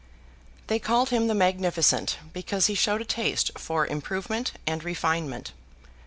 They called him the Magnificent, because he showed a taste for improvement and refinement.